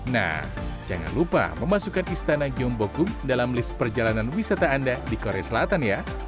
nah jangan lupa memasukkan istana gyeongbokung dalam list perjalanan wisata anda di korea selatan ya